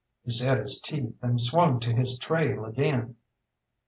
He set his teeth and swung to his trail again.